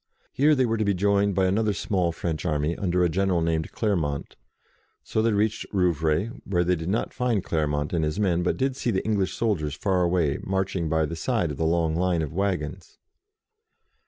Here they were to be joined by another small French army, under a general named Clermont. So they reached Rou vray, where they did not find Clermont and his men, but did see the English soldiers far away, marching by the side of the long line of waggons.